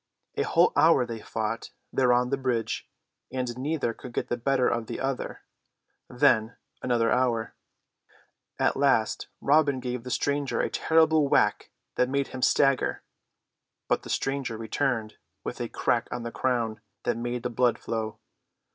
A whole hour they fought there on the bridge, and neither could get the better of the other, then another hour. At last Robin gave the stranger a terrible whack that made him stagger, but the stranger returned with a crack on the crown that made the blood flow.